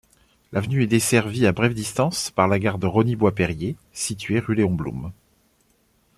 L'avenue est desservie à brève distance par la gare de Rosny-Bois-Perrier, située rue Léon-Blum.